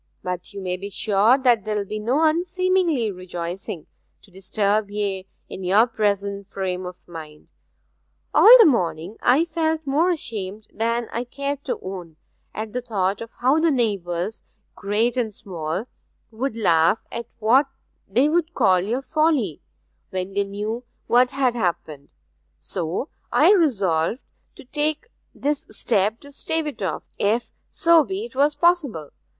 'But you may be sure that there will be no unseemly rejoicing, to disturb ye in your present frame of mind. All the morning I felt more ashamed than I cared to own at the thought of how the neighbours, great and small, would laugh at what they would call your folly, when they knew what had happened; so I resolved to take this step to stave it off, if so be 'twas possible.